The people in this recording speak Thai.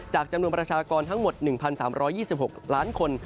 จำนวนประชากรทั้งหมด๑๓๒๖ล้านคน